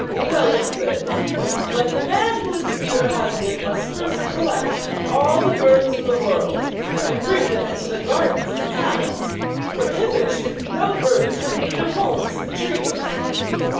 Well and good. But the man who is to be her husband must first collect all the birds in the world, and bring them into the gardens of the palace; for hitherto no birds have made their homes in the trees.'